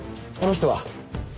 あの人は？